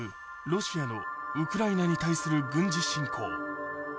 ロシアのウクライナに対する軍事侵攻。